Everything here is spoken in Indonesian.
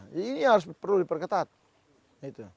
ini harus perlu diperketat